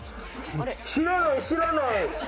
知らない、知らない。